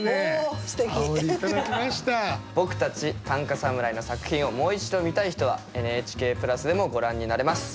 僕たち短歌侍の作品をもう一度見たい人はＮＨＫプラスでもご覧になれます。